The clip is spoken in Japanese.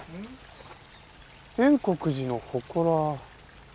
円刻寺のほこら。